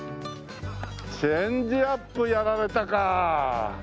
チェンジアップやられたか。